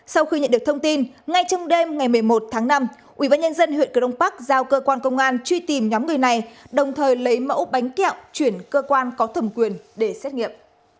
sau khi nhận được thông tin ngay trong đêm ngày một mươi một tháng năm ubnd huyện cờ rông bắc giao cơ quan công an truy tìm nhóm người này đồng thời lấy mẫu bánh kẹo chuyển cơ quan có thẩm quyền để xét nghiệm